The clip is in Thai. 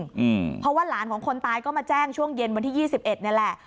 อืมเพราะว่าหลานของคนตายก็มาแจ้งช่วงเย็นวันที่ยี่สิบเอ็ดนี่แหละ